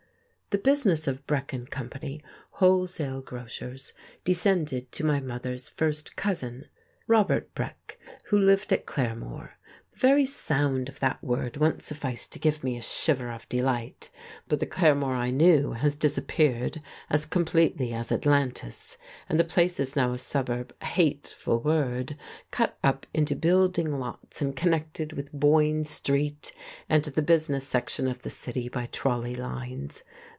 The business of Breck and Company, wholesale grocers, descended to my mother's first cousin, Robert Breck, who lived at Claremore. The very sound of that word once sufficed to give me a shiver of delight; but the Claremore I knew has disappeared as completely as Atlantis, and the place is now a suburb (hateful word!) cut up into building lots and connected with Boyne Street and the business section of the city by trolley lines.